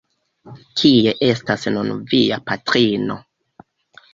Kie estas nun via patrino?